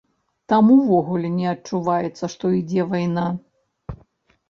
Там увогуле не адчуваецца, што ідзе вайна.